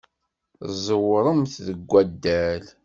Tẓewremt deg waddal?